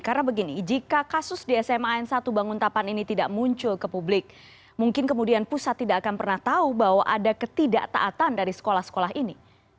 karena begini jika kasus di sma n satu bangun tapan ini tidak muncul ke publik mungkin kemudian pusat tidak akan pernah tahu bahwa ada ketidaktaatan dari sekolah sekolah ini